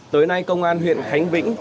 tới nay công an huyện khánh vĩnh